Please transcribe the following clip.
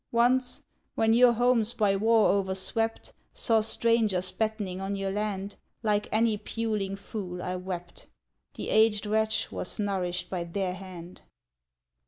Once, when your homes, by war o'erswept, Saw strangers battening on your land, Like any puling fool, I wept! The aged wretch was nourished by their hand.